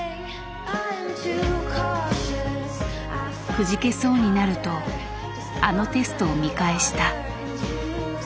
くじけそうになるとあのテストを見返した。